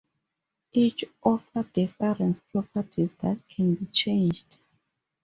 Each offer different properties that can be changed.